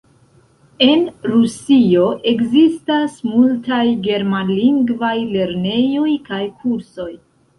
En Rusio ekzistas multaj germanlingvaj lernejoj kaj kursoj.